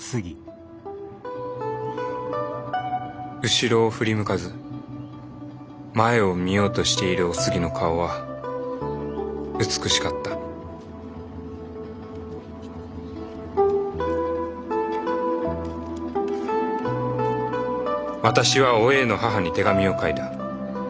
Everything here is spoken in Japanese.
後ろを振り向かず前を見ようとしているお杉の顔は美しかった私はおえいの母に手紙を書いた。